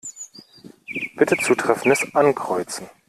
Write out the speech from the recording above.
Bitte Zutreffendes ankreuzen.